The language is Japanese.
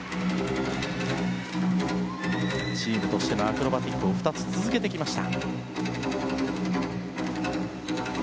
チームとしてのアクロバティックを２つ続けてきました。